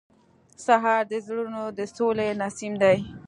سهار د زړونو د سولې نسیم دی.